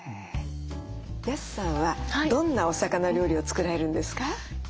安さんはどんなお魚料理を作られるんですか？